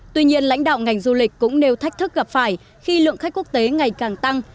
tuy nhiên lãnh đạo ngành du lịch cũng nêu thách thức gặp phải khi lượng khách quốc tế ngày càng tăng